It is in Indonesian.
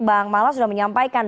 bang mala sudah menyampaikan